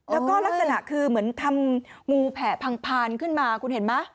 แล้วก็ลักษณะคือเหมือนทำงูแผ่พังพานขึ้นมาคุณเห็นไหม